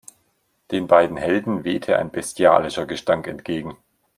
Den beiden Helden wehte ein bestialischer Gestank entgegen.